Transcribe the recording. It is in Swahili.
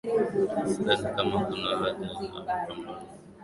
sidhani kama kuna haja ya mapambano